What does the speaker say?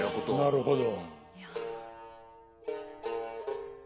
なるほど。